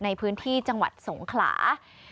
ในพื้นที่จังหวัดสงขลา